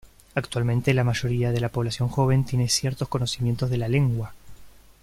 Actualmente, la mayoría de la población joven tiene ciertos conocimientos de la lengua.